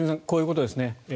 こういうことですね。